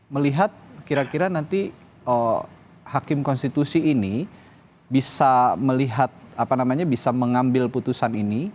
melihat kira kira nanti hakim konstitusi ini bisa melihat apa namanya bisa mengambil putusan ini